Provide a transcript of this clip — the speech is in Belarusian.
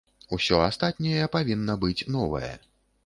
Усё астатняе павінна быць новае.